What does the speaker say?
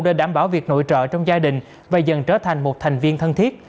để đảm bảo việc nội trợ trong gia đình và dần trở thành một thành viên thân thiết